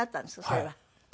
それは。